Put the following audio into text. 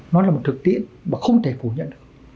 nó là một thực tiễn và không thể phủ nhận được